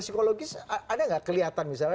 psikologis ada nggak kelihatan misalnya